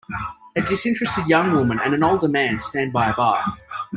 A disinterested young woman and an older man stand by a bar.